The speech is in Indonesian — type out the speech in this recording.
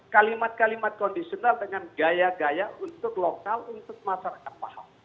kalimat kalimat kondisional dengan gaya gaya untuk lokal untuk masyarakat paham